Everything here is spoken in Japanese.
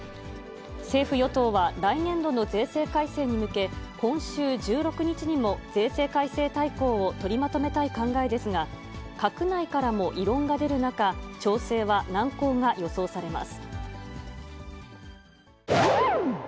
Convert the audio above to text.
政府・与党は、来年度の税制改正に向け、今週１６日にも、税制改正大綱を取りまとめたい考えですが、閣内からも異論が出る中、調整は難航が予想されます。